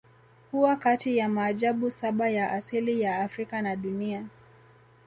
Kuwa kati ya maajabu saba ya asili ya Afrika na dunia